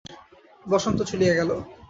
বসন্ত চলিয়া গেল।